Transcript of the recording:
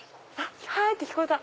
はい！って聞こえた。